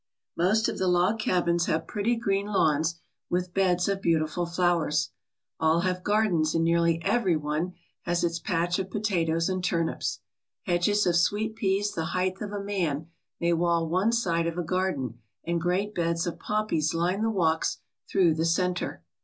Most of the log cabins have pretty green lawns with beds of beautiful flowers. All have gardens and nearly every one has its patch of potatoes and turnips. Hedges of sweet peas the height of a man may wall one side of a garden and great beds of poppies line the walks through the centre.